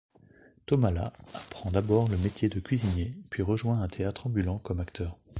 Thomalla apprand d'abord le métier de cuisinier puis rejoint un théâtre ambulant comme acteur.